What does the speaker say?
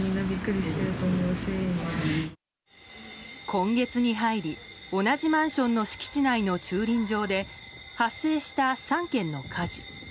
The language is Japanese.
今月に入り、同じマンションの敷地内の駐輪場で発生した３件の火事。